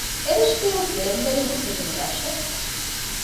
އެރަށަކީ ވެސް ޅެން ވެރިން އުފެދުނު ރަށެއް